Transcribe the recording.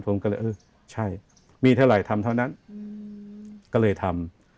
ผมก็เลยเออใช่มีเท่าไหร่ทำเท่านั้นก็เลยทำ